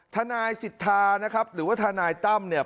ทนายสิทธานะครับหรือว่าทนายตั้มเนี่ย